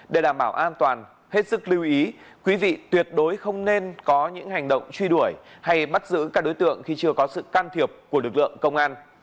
để đảm bảo an toàn hết sức lưu ý quý vị tuyệt đối không nên có những hành động truy đuổi hay bắt giữ các đối tượng khi chưa có sự can thiệp của lực lượng công an